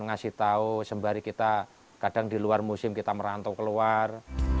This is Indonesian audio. ngasih tahu sembari kita kadang di luar musim kita merantau keluar